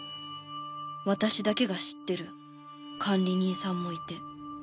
私だけが知ってる管理人さんもいて